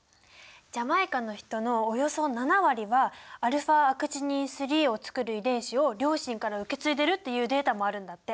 ジャマイカの人のおよそ７割はαアクチニン３をつくる遺伝子を両親から受け継いでるっていうデータもあるんだって！